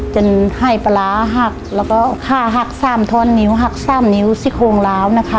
จนให้ปลาร้าหักแล้วก็ข้าหักสามท้อนนิ้วหักสามนิ้วซิโครงล้าวนะคะ